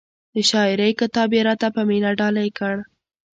د شاعرۍ کتاب یې را ته په مینه ډالۍ کړ.